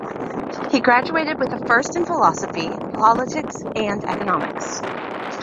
He graduated with a First in Philosophy, Politics and Economics.